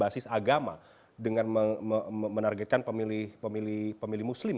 atau partai yang kemudian menganggap partai ini memang partai berbau berbasis agama